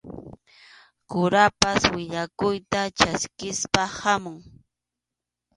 Kurapas willakuyta chaskispas hamun.